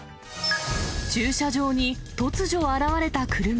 駐車場に突如現れた車。